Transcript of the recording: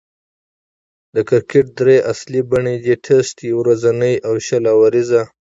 د کرکټ درې اصلي بڼې دي: ټېسټ، يو ورځنۍ، او شل اووريز.